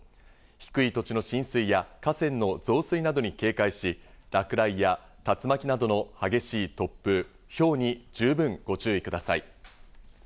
低い土地の浸水や河川の増水などに警戒し、落雷や竜巻などの激しい突風、ひょうに十分ご注意ください。